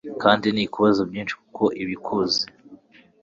kandi ntikubaza byinshi kuko iba ikuzi